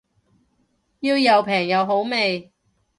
要又平又好味